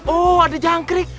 oh ada jangkrik